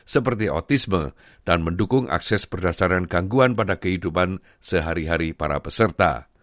seperti autisme dan mendukung akses berdasarkan gangguan pada kehidupan sehari hari para peserta